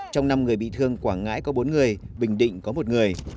trong năm người bị thương quảng ngãi có bốn người bình định có một người